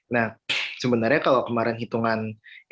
nah sebenarnya kalau kemarin hitungan